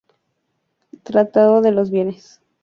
Tratado de los Bienes.